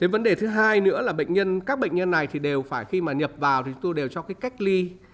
vấn đề thứ hai nữa là các bệnh nhân này đều phải khi mà nhập vào thì chúng tôi đều cho cách ly